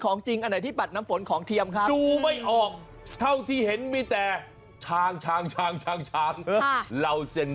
คุณจีนสาหมายถึงอะไรใจคอไม่ดีก่อนมาทางนี้ซะแหละคุณ